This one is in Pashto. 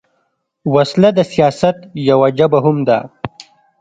وسله د سیاست یوه ژبه هم ده